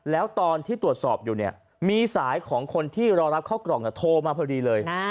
แล้วตอนที่ตรวจสอบอยู่เนี่ยมีสายของคนที่รอรับเข้ากล่องโทรมาพอดีเลย